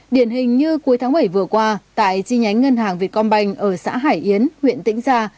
điển hình như cuối tháng bảy vừa qua tại chi nhánh ngân hàng việt công banh ở xã hải yến huyện tĩnh gia